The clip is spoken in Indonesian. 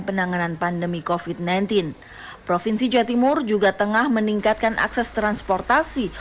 penanganan pandemi kofit sembilan belas provinsi jawa timur juga tengah meningkatkan akses transportasi